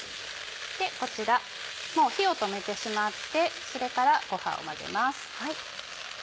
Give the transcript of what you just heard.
こちらもう火を止めてしまってそれからご飯を混ぜます。